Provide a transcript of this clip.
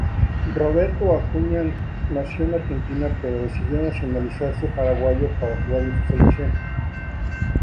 Roberto Acuña nació en Argentina pero decidió nacionalizarse paraguayo para jugar en su selección.